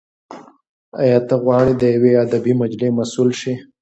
ایا ته غواړې د یوې ادبي مجلې مسول شې؟